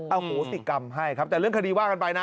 โหสิกรรมให้ครับแต่เรื่องคดีว่ากันไปนะ